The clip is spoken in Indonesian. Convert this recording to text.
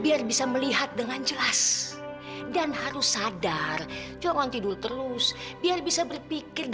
apa memang jatuh cinta selalu sakit